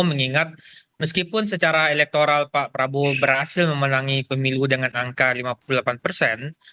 mengingat meskipun secara elektoral pak prabowo berhasil memenangi pemilu dengan angka lima puluh delapan persen